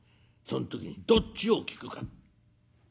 その時にどっちを聞くか。